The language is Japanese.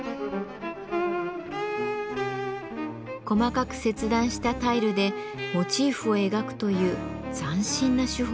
細かく切断したタイルでモチーフを描くという斬新な手法でした。